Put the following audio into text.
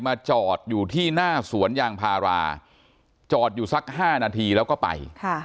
จอดอยู่ที่หน้าสวนยางพาราจอดอยู่สัก๕นาทีแล้วก็ไป